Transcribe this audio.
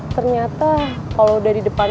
ternyata kalau udah di depan